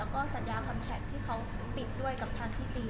แล้วก็สัญญาคำแท็กที่เขาติดด้วยกับทางที่จีน